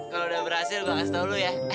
kalau udah berhasil gue kasih tahu lo ya